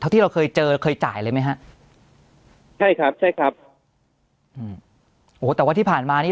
ที่เราเคยเจอเคยจ่ายเลยไหมฮะใช่ครับใช่ครับอืมโอ้โหแต่ว่าที่ผ่านมานี่